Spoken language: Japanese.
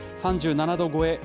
３７度超え。